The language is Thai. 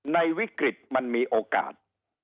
ในวิกฤตมันมีโอกาส